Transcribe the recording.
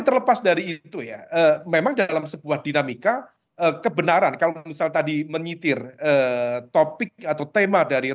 terlepas dari itu ya memang dalam sebuah dinamika kebenaran kalau misal tadi menyitir topik atau tema dari